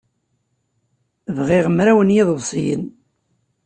Bɣiɣ mraw n yiḍebsiyen.